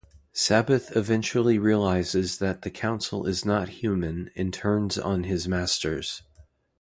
Sabbath eventually realises that the Council is not human and turns on his masters.